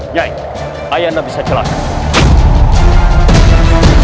nyai ayah tidak bisa celaka